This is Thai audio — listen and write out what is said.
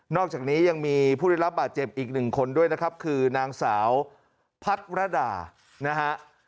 อกจากนี้ยังมีผู้ได้รับบาดเจ็บอีกหนึ่งคนด้วยนะครับคือนางสาวพัทรดานะฮะ